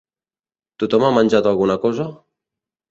Tothom ha menjat alguna cosa?